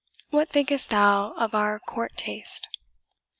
What think'st thou of our court taste?"